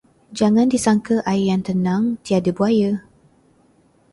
Jangan disangka air yang tenang tiada buaya.